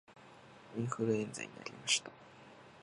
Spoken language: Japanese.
インフルエンザになりました